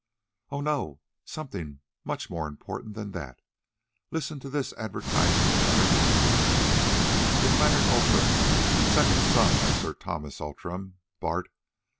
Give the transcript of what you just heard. "Oh! no, something much more important than that. Listen to this advertisement, Leonard:— "'If Leonard Outram, second son of Sir Thomas Outram, Bart.